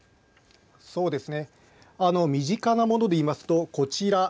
身近なものでいいますとこちら。